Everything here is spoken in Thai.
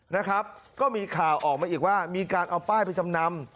นะครับก็มีข่าวออกมาอีกว่ามีการเอาป้ายไปจำนำ